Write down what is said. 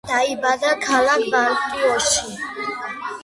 დაიბადა ქალაქ ბალტიმორში.